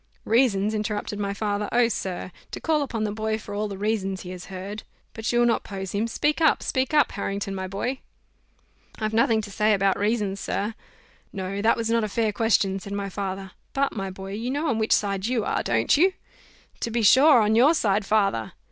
"Reasons!" interrupted my father: "oh! sir, to call upon the boy for all the reasons he has heard But you'll not pose him: speak up, speak up, Harrington, my boy!" "I've nothing to say about reasons, sir." "No! that was not a fair question," said my father; "but, my boy, you know on which side you are, don't you?" "To be sure on your side, father."